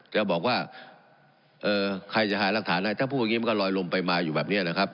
จะบอกว่าใครจะหารักฐานได้ถ้าพูดอย่างนี้มันก็ลอยลมไปมาอยู่แบบนี้นะครับ